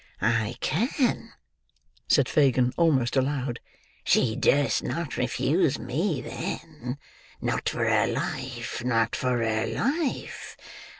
"I can," said Fagin, almost aloud. "She durst not refuse me then. Not for her life, not for her life!